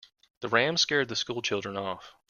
The ram scared the school children off.